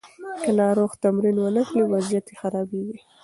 که ناروغ تمرین ونه کړي، وضعیت یې خرابیږي.